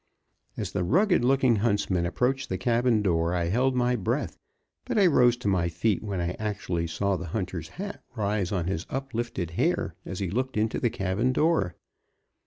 As the rugged looking huntsman approached the cabin door, I held my breath, but I rose to my feet when I actually saw the hunter's hat rise on his uplifted hair as he looked into the cabin door.